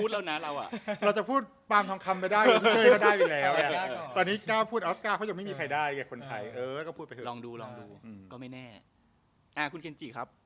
เราก็จะ